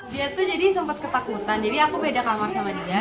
dia tuh jadi sempat ketakutan jadi aku beda kamar sama dia